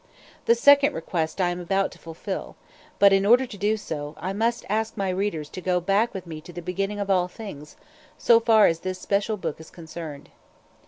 The second request I am about to fulfil; but, in order to do so, I must ask my readers to go back with me to the beginning of all things, so far as this special book is concerned.